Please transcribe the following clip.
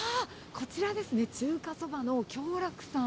こちらですね、中華そばの共楽さん。